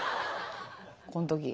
こん時。